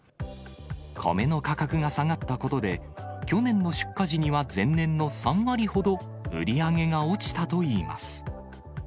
米の価格が下がったことで、去年の出荷時には、前年の３割ほど売り上げが落ちたといいます。